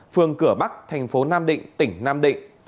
phường cửa bắc thành phố nam định tỉnh nam định